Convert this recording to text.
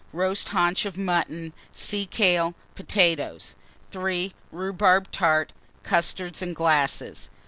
Roast haunch of mutton, sea kale, potatoes. 3. Rhubarb tart, custards in glasses.